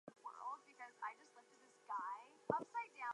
She participated in many performances of children's theatre.